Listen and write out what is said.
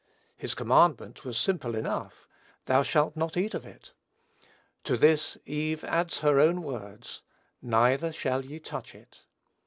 His command was simple enough, "Thou shalt not eat of it." To this Eve adds her own words, "neither shall ye touch it."